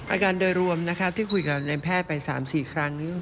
อาการโดยรวมที่คุยกับนายแพทย์ไป๓๔ครั้งนึง